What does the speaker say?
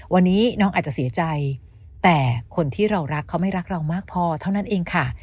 วันนี้น้องอาจจะเสียใจแต่คนที่เรารักเขาไม่รักเรามากพอเท่านั้นเองค่ะ